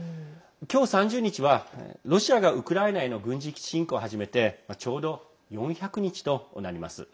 今日、３０日はロシアがウクライナへの軍事侵攻を始めてちょうど４００日となります。